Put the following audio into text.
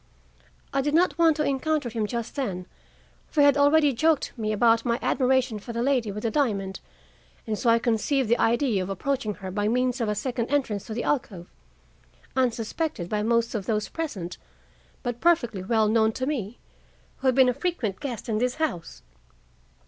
I did not want to encounter him just then, for he had already joked me about my admiration for the lady with the diamond, and so I conceived the idea of approaching her by means of a second entrance to the alcove, unsuspected by most of those present, but perfectly well known to me, who have been a frequent guest in this house.